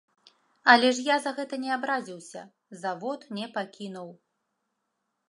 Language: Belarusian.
Але ж я за гэта не абразіўся, завод не пакінуў.